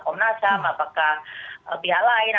komnasam apakah pihak lain